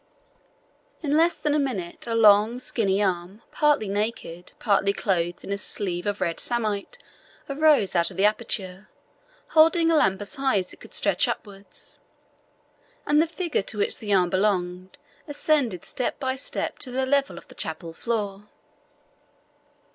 In less than a minute a long, skinny arm, partly naked, partly clothed in a sleeve of red samite, arose out of the aperture, holding a lamp as high as it could stretch upwards, and the figure to which the arm belonged ascended step by step to the level of the chapel floor.